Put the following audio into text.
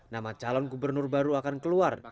nama calon gubernur baru akan keluar